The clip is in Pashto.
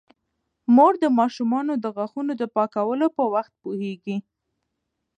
مور د ماشومانو د غاښونو د پاکولو په وخت پوهیږي.